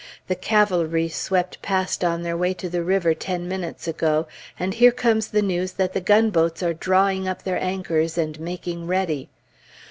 The cavalry swept past on their way to the river ten minutes ago, and here comes the news that the gunboats are drawing up their anchors and making ready.